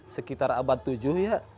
sekitar abad tujuh ya